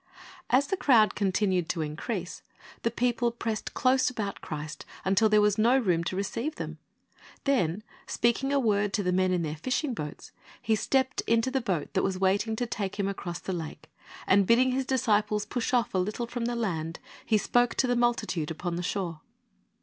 As the crowd continued to increase, the people pressed close about Christ until there was no room to receive them. Then, speaking a word to the men in their fishing boats, He stepped into the boat that was waiting to take Him across the lake, and bidding His disciples push off a little from the land. He spoke to the multitude upon the shore.